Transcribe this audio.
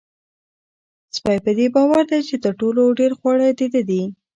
سپی په دې باور دی چې تر ټولو ډېر خواړه د ده دي.